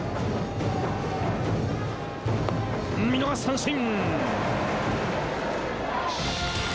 見逃し三振！